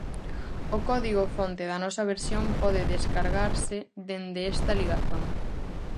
O código fonte da nosa versión pode descargase dende esta ligazón.